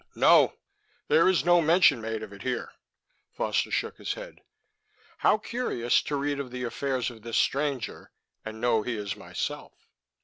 "No there is no mention made of it here." Foster shook his head. "How curious to read of the affairs of this stranger and know he is myself."